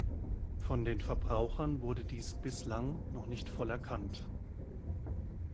Von den Verbrauchern wurde dies bislang noch nicht voll erkannt.